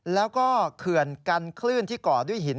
แล้วก็เขื่อนกันคลื่นที่ก่อด้วยหิน